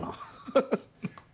ハハハッ。